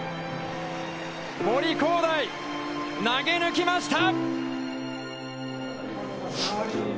森煌誠、投げ抜きました！